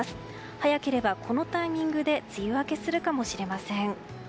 早ければこのタイミングで梅雨明けするかもしれません。